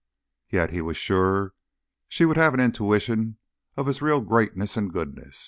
Yet he was sure she would have an intuition of his real greatness and goodness.